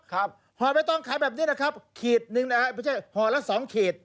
ห่อใบตองขายแบบนี้นะครับขีดหนึ่งนะฮะไม่ใช่ห่อละสองขีด